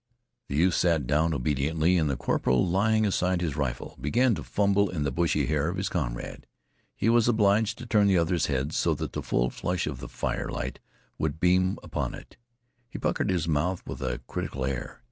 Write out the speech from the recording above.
The youth sat down obediently and the corporal, laying aside his rifle, began to fumble in the bushy hair of his comrade. He was obliged to turn the other's head so that the full flush of the fire light would beam upon it. He puckered his mouth with a critical air.